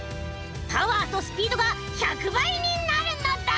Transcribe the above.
パワーとスピードが１００ばいになるのだ！